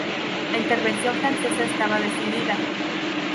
La intervención francesa estaba decidida.